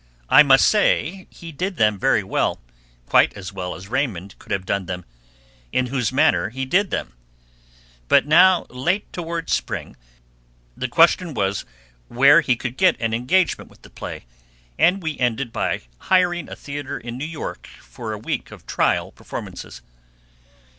I must say he did them very well, quite as well as Raymond could have done them, in whose manner he did them. But now, late toward spring, the question was where he could get an engagement with the play, and we ended by hiring a theatre in New York for a week of trial performances.